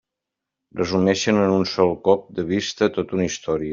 Resumeixen en un sol colp de vista tota una història.